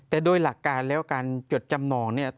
แต่โดยหลักการแล้วการจดจำนองเนี่ย